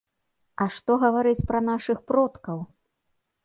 А што гаварыць пра нашых продкаў!